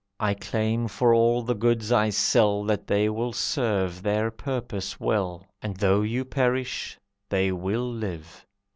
I claim for all the goods I sell That they will serve their purpose well, And though you perish, they will live.